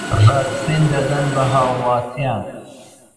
ڤاکسین دەدەن بە هاووڵاتیان